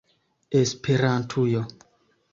esperantujo